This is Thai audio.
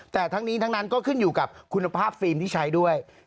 แต่ทั้งนี้ทั้งนั้นก็ขึ้นอยู่กับคุณภาพฟิล์มที่ใช้ด้วย